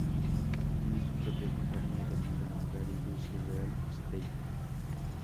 Tiene su propia compañía llamada "Gary Lucy Real Estate".